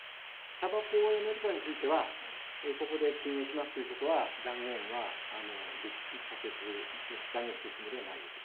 たばこをやめるかについてはここで禁煙しますということは断言するつもりはないです。